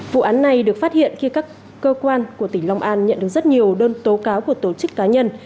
vụ án này được phát hiện khi các cơ quan của tỉnh long an nhận được rất nhiều đơn tố cáo của tổ chức cá nhân